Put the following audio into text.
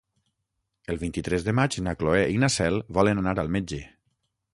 El vint-i-tres de maig na Cloè i na Cel volen anar al metge.